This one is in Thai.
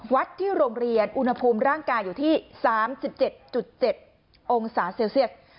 ที่โรงเรียนอุณหภูมิร่างกายอยู่ที่๓๗๗องศาเซลเซียส